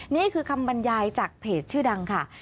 นี่คือคำบรรยายจากเพจชื่อดังค่ะ